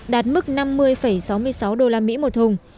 đạt mức năm mươi sáu mươi sáu đô la mỹ một thùng